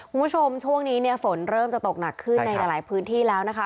คุณผู้ชมช่วงนี้เนี่ยฝนเริ่มจะตกหนักขึ้นในหลายพื้นที่แล้วนะคะ